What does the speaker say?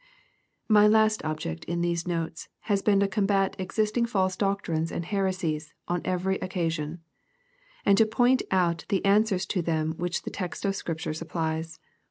4. My last object in these notes, has been to combat existing false doctrines and heresies, on every occasion ; ind to poiut out the answers to them which the text of Scripture supplies.